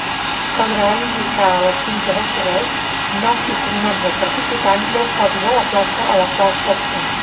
Caldrà indicar a l'assumpte del correu: nom i cognoms del participant i el codi de la plaça a la qual s'opta.